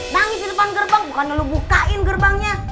nangis di depan gerbang bukan dulu bukain gerbangnya